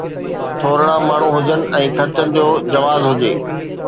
ٿورڙا ماڻهو هجن ۽ خرچن جو جواز هجي.